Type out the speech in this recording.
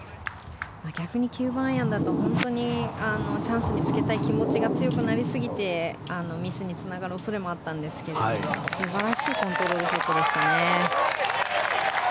逆に９番アイアンだと本当にチャンスにつけたい気持ちが強くなりすぎてミスにつながる恐れもあったんですが素晴らしいコントロールショットでしたね。